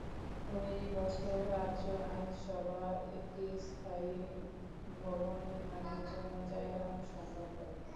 ঐ বছর রাজ্য আইনসভা একটি স্থায়ী ভবন নির্মাণের জন্য জায়গা অনুসন্ধান করে।